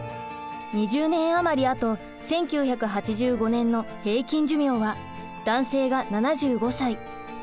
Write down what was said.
２０年余りあと１９８５年の平均寿命は男性が７５歳女性が８０歳です。